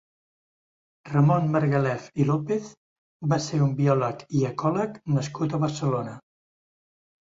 Ramon Margalef i López va ser un biòleg i ecòleg nascut a Barcelona.